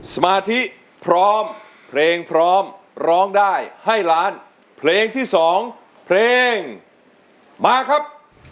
สมาธิพร้อมเพลงพร้อมร้องได้ให้ล้านเพลงที่สองเพลงมาครับ